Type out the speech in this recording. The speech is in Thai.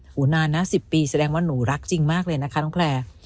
นานนะ๑๐ปีแสดงว่าหนูรักจริงมากเลยนะคะน้องแพลร์